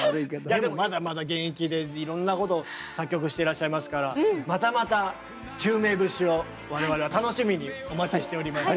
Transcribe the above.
いやでもまだまだ現役でいろんなこと作曲していらっしゃいますからまたまた宙明節を我々は楽しみにお待ちしております。